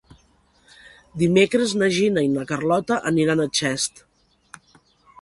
Dimecres na Gina i na Carlota aniran a Xest.